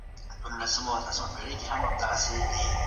ایا ملي بڼوال جلغوزي پروسس کوي؟